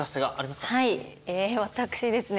はい私ですね